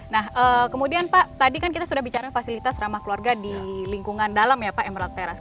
nah kemudian pak tadi kan kita sudah bicara fasilitas ramah keluarga di lingkungan dalam ya pak emerald terrace